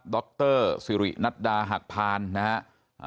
ดรซีลินัตดาหักพารนะครับ